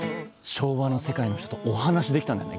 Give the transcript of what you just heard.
昭和の世界の人とお話しできたんだね？